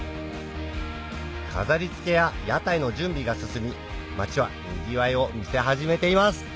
飾り付けや屋台の準備が進み町はにぎわいを見せ始めています